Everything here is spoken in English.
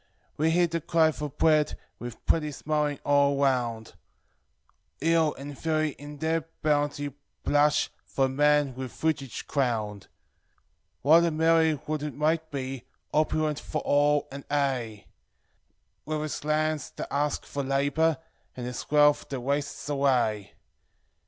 We hear the cry for bread with plenty smil ng all around; Hill and valley in their bounty blush for Man with fruil crowned. What a merry world it might be, opulent foi all, and aye, With its lands that ask for labor, and ts wealth that wastes away!